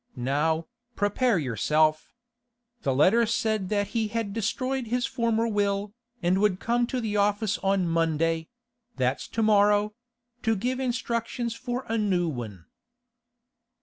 Now, prepare yourself. The letter said that he had destroyed his former will, and would come to the office on Monday—that's to morrow—to give instructions for a new one.